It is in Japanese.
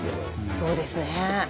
そうですね。